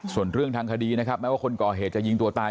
ส่วนเรื่องทางคดีนะครับแม้ว่าคนก่อเหตุจะยิงตัวตาย